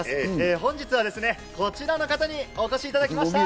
本日はこちらの方にお越しいただきました！